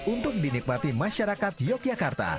untuk dinikmati masyarakat yogyakarta